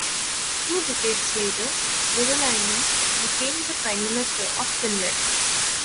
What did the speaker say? Two decades later, Virolainen became the Prime Minister of Finland.